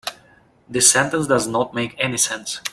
This sentence does not make any sense.